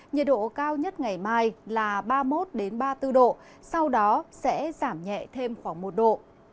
nhiệt độ cao nhất ngày mai là ba mươi một ba mươi bốn độ sau đó sẽ giảm nhẹ thêm khoảng một độ